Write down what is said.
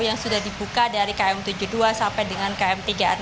yang sudah dibuka dari km tujuh puluh dua sampai dengan km tiga puluh enam